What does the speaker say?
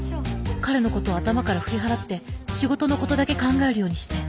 彼のことを頭から振り払って仕事のことだけ考えるようにして。